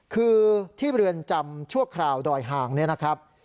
คือที่เรือนจำชั่วคราวดอยหางเนี่ยนะครับ